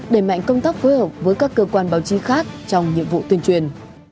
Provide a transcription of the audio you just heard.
đẩy mạnh công tác phối hợp với các cơ quan báo chí khác trong nhiệm vụ tuyên truyền